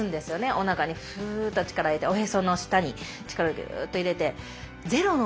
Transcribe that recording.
おなかにふっと力入れておへその下に力をギューッと入れて。